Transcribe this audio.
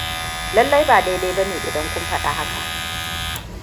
Lallai ba daidai ba ne idan kun faɗi haka.